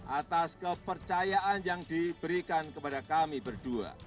atas kepercayaan yang diberikan kepada kami berdua